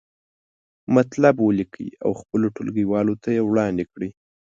مطلب ولیکئ او خپلو ټولګیوالو ته یې وړاندې کړئ.